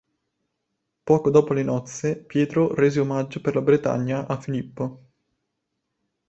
Poco dopo le nozze Pietro rese omaggio per la Bretagna a Filippo.